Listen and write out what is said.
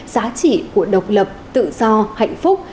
giá trị của độc lập tự do hạnh phúc